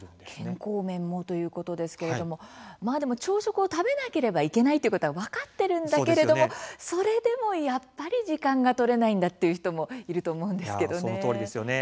健康面もということですけれども、朝食を食べなければいけないということは分かっているんだけれどもそれでもやっぱり時間が取れないんだという人もいると思うんですけどね。